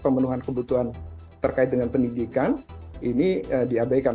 pemenuhan kebutuhan terkait dengan pendidikan ini diabaikan